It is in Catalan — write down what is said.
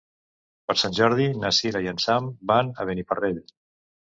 Per Sant Jordi na Cira i en Sam van a Beniparrell.